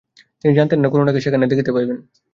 তিনি জানতেন না যে করুণাকে সেখানে দেখিতে পাইবেন।